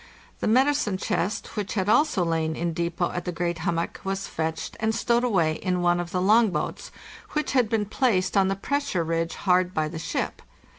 The medicine chest, which had also lain in depot at the great hummock, was fetched and stowed away in one of the long boats, which had been placed on the pressure ridge hard by the ship.